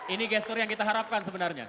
ini gestur yang kita harapkan sebenarnya